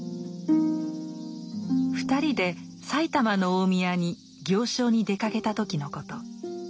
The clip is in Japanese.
２人で埼玉の大宮に行商に出かけた時のこと。